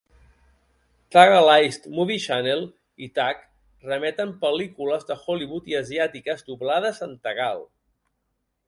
Tagalized Movie Channel i Tag remeten pel·lícules de Hollywood i asiàtiques doblades en tagal.